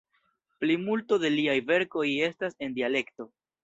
Plimulto de liaj verkoj estas en dialekto.